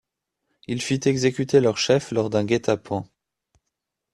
Il fit exécuter leurs chefs lors d’un guet-apens.